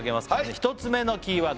１つ目のキーワード